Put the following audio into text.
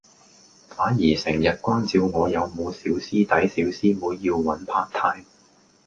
反而成日關照我有冇小師弟小師妹要搵 Part Time